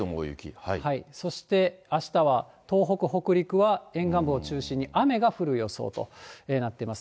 そして、あしたは東北、北陸は沿岸部を中心に雨が降る予想となっています。